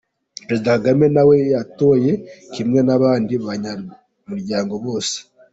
Perezida Kagame nawe yatoye kimwe n'abandi banyamuryango bose.